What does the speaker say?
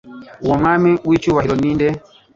Uwo Mwami w'icyubahiro ni nde'?